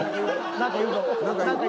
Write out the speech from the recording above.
何か言うぞ。